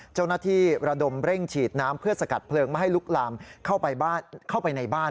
เจ้าหน้าที่ระดมเร่งฉีดน้ำเพื่อสกัดเพลิงไม่ให้ลุกลามเข้าไปในบ้าน